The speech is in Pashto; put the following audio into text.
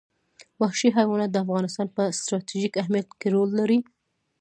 وحشي حیوانات د افغانستان په ستراتیژیک اهمیت کې رول لري.